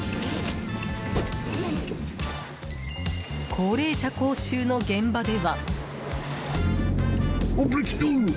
高齢者講習の現場では。